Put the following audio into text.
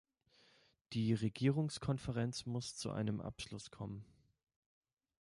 Die Regierungskonferenz muss zu einem Abschluss kommen.